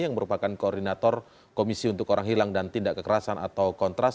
yang merupakan koordinator komisi untuk orang hilang dan tindak kekerasan atau kontras